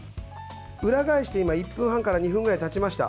裏返して今、１分半から２分ぐらいたちました。